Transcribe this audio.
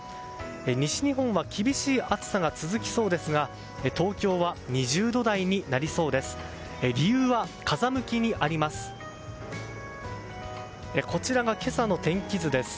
西日本は厳しい暑さが続きそうですが東京は２０度台になりそうです。